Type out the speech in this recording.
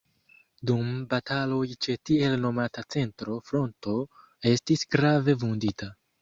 Dum bataloj ĉe tiel nomata centra fronto estis grave vundita.